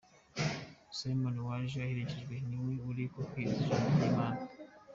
Simon waje abaherekeje niwe uri kubwiriza ijambo ry’Imana.